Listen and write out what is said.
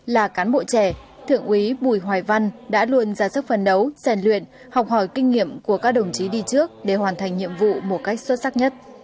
là cán bộ trẻ thượng úy bùi hoài văn đã luôn ra sức phân đấu rèn luyện học hỏi kinh nghiệm của các đồng chí đi trước để hoàn thành nhiệm vụ một cách xuất sắc nhất